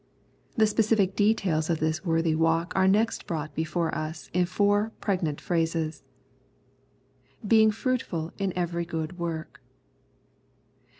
The specific details of this worthy walk are next brought before us in four pregnant phrases :" Being fruitful in every good work.